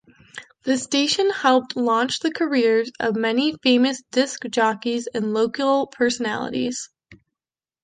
The station helped launch the careers of many famous disc jockeys and local personalities.